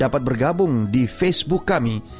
dapat bergabung di facebook kami